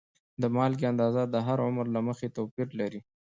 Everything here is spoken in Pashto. د مالګې اندازه د هر عمر له مخې توپیر لري.